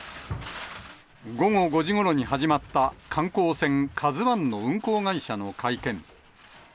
午後５時ごろに始まった観光船カズワンの運航会社の会見。